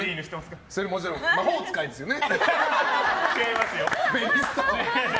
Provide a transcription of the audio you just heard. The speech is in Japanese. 魔法使いですよね。